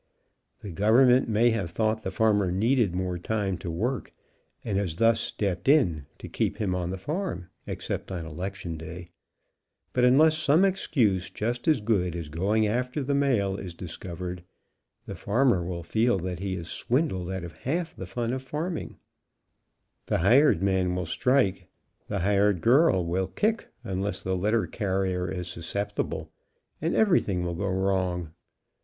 The government may have thought the farmer needed more time to work, and has thus stepped in to keep him on the farm ex cept on election day, but unless some excuse just as good as going after the mail is discovered, the farmer will feel that he is swindled out of half the fun of farming, the hired man will strike, the hired girl will kick unless the letter carrier is susceptible, and every thing will go wrong.